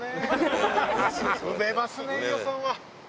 埋めますね飯尾さんは。